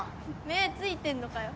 目付いてんのかよ。